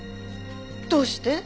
どうして？